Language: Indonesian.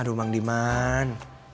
aduh emang diman